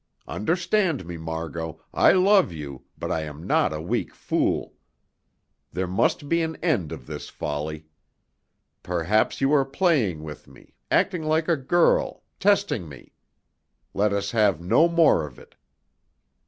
Understand me, Margot, I love you, but I am not a weak fool. There must be an end of this folly. Perhaps you are playing with me, acting like a girl, testing me. Let us have no more of it."